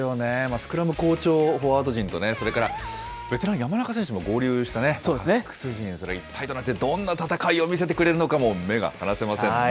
スクラム好調、フォワード陣とね、それからベテラン、山中選手も合流したバックス陣、一体となってどんな戦いを見せてくれるのかも目が離せませんね。